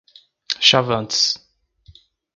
Chavantes